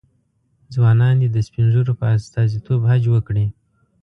ځوانان دې د سپین ږیرو په استازیتوب حج وکړي.